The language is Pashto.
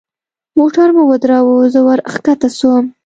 موټر مو ودراوه زه ورکښته سوم.